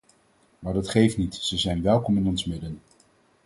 Maar dat geeft niet, ze zijn welkom in ons midden.